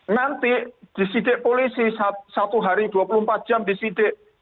nanti disidik polisi satu hari dua puluh empat jam disidik